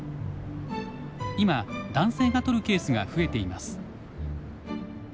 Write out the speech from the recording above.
今男性が取るケースが増えています。